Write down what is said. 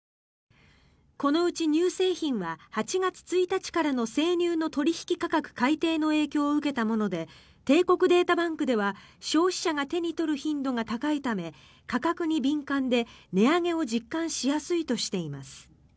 このうち乳製品は８月１日からの生乳の取引価格改定の影響を受けたもので帝国データバンクでは消費者が手に取る頻度が高いため価格に敏感で、値上げを実感しやすいとしています。